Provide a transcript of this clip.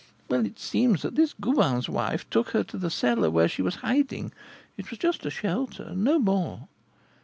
Well, it seems this Goubin's wife took her to the cellar where she was hiding, it was just a shelter, and no more.